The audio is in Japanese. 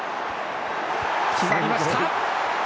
決まりました。